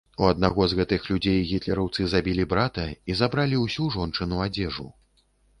У аднаго з гэтых людзей гітлераўцы забілі брата і забралі ўсю жончыну адзежу.